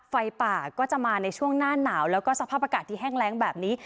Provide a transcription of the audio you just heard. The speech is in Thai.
ไฟป่าก็จะมาในช่วงหน้าหนาวแล้วก็สภาพอากาศที่แห้งแรงแบบนี้